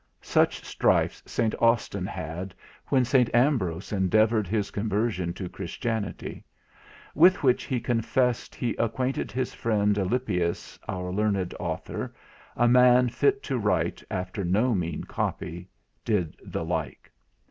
Such strifes St. Austin had, when St. Ambrose endeavoured his conversion to Christianity; with which he confesseth he acquainted his friend Alipius. Our learned author a man fit to write after no mean copy did the like.